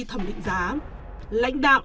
thẩm định giá lãnh đạo